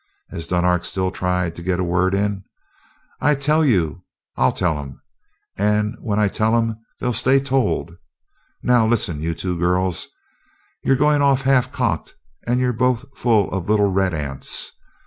as Dunark still tried to get a word in, "I tell you I'll tell 'em, and when I tell 'em they stay told! Now listen, you two girls you're going off half cocked and you're both full of little red ants.